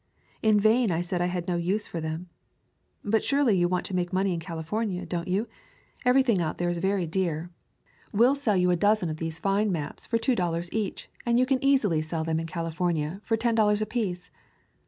In vain I said I had no use for them. "But surely you want to make money in Cali fornia, don't you? Everything out there is very [ 186 ] To California dear. We'll sell you a dozen of these fine maps for two dollars each and you can easily sell them in California for ten dollars apiece."